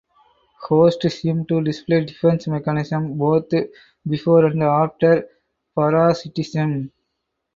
Hosts seem to display defense mechanisms both before and after parasitism.